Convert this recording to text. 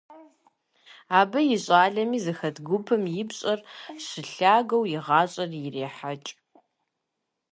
Абы и щӏалэми зыхэт гупым и пщӏэр щылъагэу и гъащӏэр ирехьэкӏ.